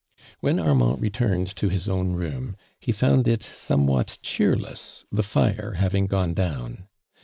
When Armand returned to his own room, ho found it somewhat cheerless, the tire having gone down.